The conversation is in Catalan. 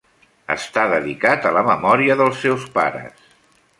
Està dedicat a la memòria dels seus pares.